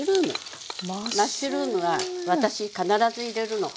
マッシュルームは私必ず入れるの。